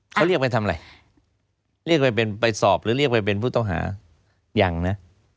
เขาเรียกไปทำอะไรเรียกไปเป็นไปสอบหรือเรียกไปเป็นผู้ต้องหายังนะ